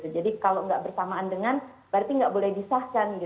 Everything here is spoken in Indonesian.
jadi kalau tidak bersamaan dengan berarti tidak boleh disahkan